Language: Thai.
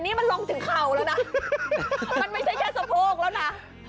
นี่มันลงถึงเข่าแล้วนะมันไม่ใช่แค่สะโพกแล้วนะ